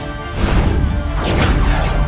padahal aku makin pas figuresa dengan ayah